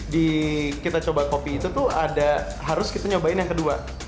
di kita coba kopi itu tuh ada harus kita nyobain yang kedua